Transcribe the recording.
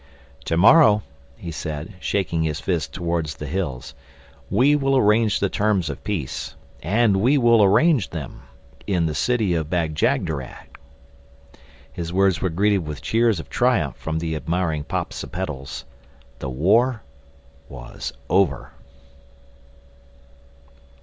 "To morrow," he said, shaking his fist towards the hills, "we will arrange the terms of peace—and we will arrange them—in the City of Bag jagderag!" His words were greeted with cheers of triumph from the admiring Popsipetels. The war was over.